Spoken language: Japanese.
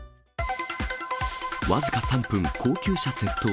僅か３分、高級車窃盗。